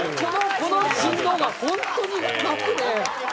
この振動が本当に楽で。